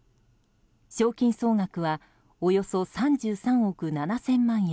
賞金総額はおよそ３３億７０００万円。